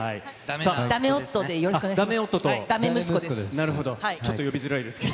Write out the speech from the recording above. だめ夫でよろしくお願いします。